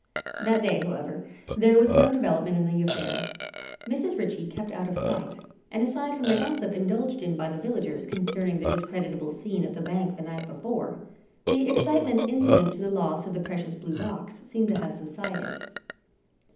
That day, however, there was no development in the affair. Mrs. Ritchie kept out of sight and aside from the gossip indulged in by the villagers concerning the discreditable scene at the bank the night before, the excitement incident to the loss of the precious blue box seemed to have subsided.